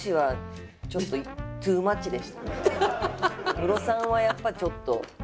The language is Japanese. ムロさんはやっぱちょっと。